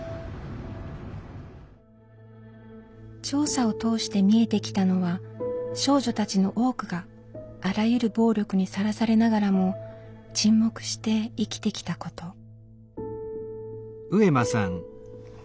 調査を通して見えてきたのは少女たちの多くがあらゆる暴力にさらされながらも沈黙して生きてきたこと。